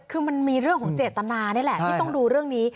คือมันมีเรื่องของเจตนานี่แหละที่ต้องดูเรื่องนี้